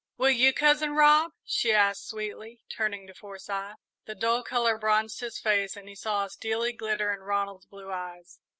"Will you, Cousin Rob?" she asked sweetly, turning to Forsyth. The dull colour bronzed his face and he saw a steely glitter in Ronald's blue eyes.